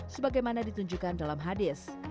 sebagaimana ditunjukkan dalam hadis